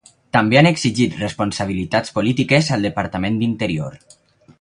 També han exigit responsabilitats polítiques al Departament d'Interior.